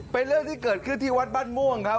เป็นเรื่องที่เกิดขึ้นที่วัดบ้านม่วงครับ